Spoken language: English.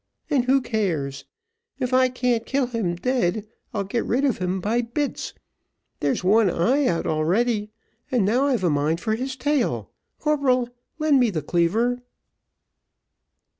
And who cares? If I can't a kill him dead, I'll get rid of him by bits. There's one eye out already, and now I've a mind for his tail. Corporal, lend me the cleaver."